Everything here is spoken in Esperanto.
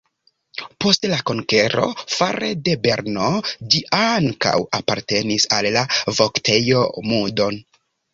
Post la konkero fare de Berno ĝi ankaŭ apartenis al la Voktejo Moudon.